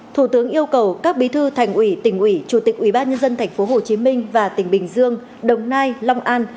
thủ tướng yêu cầu các bí thư thành ủy tỉnh ủy chủ tịch ủy ban nhân dân thành phố hồ chí minh và tỉnh bình dương đồng nai long an